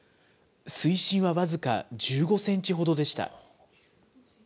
水深は僅か１５センチほどでした。